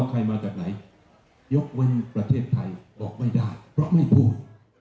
ใครมาจากไหนยกเว้นประเทศไทยบอกไม่ได้เพราะไม่พูด